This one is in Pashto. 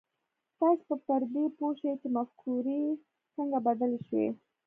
تاسې به پر دې پوه شئ چې مفکورې څنګه بدلې شوې.